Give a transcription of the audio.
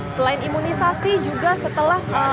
selain imunisasi juga setelah